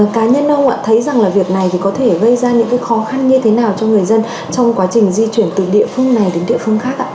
cá nhân ông ạ thấy rằng là việc này thì có thể gây ra những khó khăn như thế nào cho người dân trong quá trình di chuyển từ địa phương này đến địa phương khác ạ